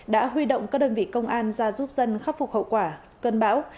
đã huy động các đơn vị công an ra giúp dân khắc phục hậu quả cơn bão